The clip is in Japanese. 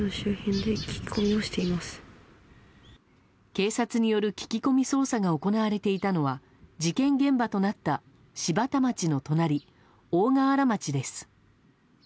警察による聞き込み捜査が行われていたのは事件現場となった柴田町の隣、大河原町です。